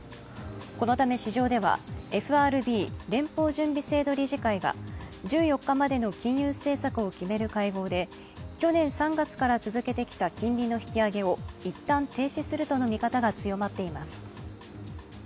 このため市場では、ＦＲＢ＝連邦準備制度理事会が１４日までの金融政策を決める会合で去年３月から続けてきた金利の引き上げを一旦停止するとの見方が強まっています。